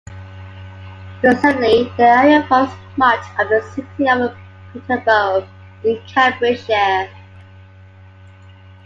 Presently, the area forms much of the City of Peterborough in Cambridgeshire.